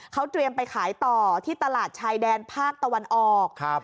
เขาเตรียมไปขายต่อที่ตลาดชายแดนภาคตะวันออก